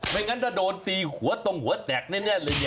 ไม่งั้นถ้าโดนตีหัวตรงหัวแตกแน่เลย